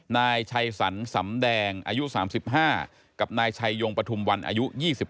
นายชัยสรรสำแดงอายุ๓๕กับนายชัยยงปฐุมวันอายุ๒๓